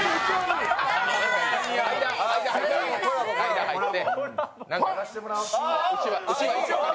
間、入って。